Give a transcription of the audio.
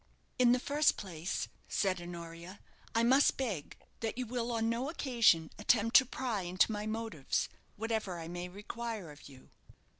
"In the first place," said Honoria, "I must beg that you will on no occasion attempt to pry into my motives, whatever I may require of you."